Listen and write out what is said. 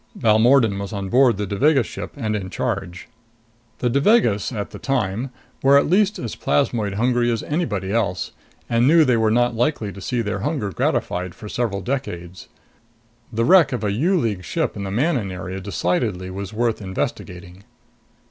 Balmordan was on board the Devagas ship and in charge. The Devagas, at that time, were at least as plasmoid hungry as anybody else, and knew they were not likely to see their hunger gratified for several decades. The wreck of a U League ship in the Manon area decidedly was worth investigating.